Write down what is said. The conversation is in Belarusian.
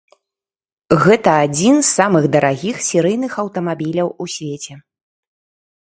Гэта адзін з самых дарагіх серыйных аўтамабіляў у свеце.